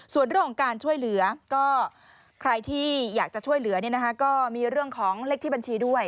ส่วนเรื่องของการช่วยเหลือก็ใครที่อยากจะช่วยเหลือก็มีเรื่องของเลขที่บัญชีด้วย